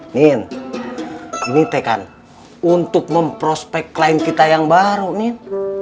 ngin ini teh kan untuk memprospek klien kita yang baru ngin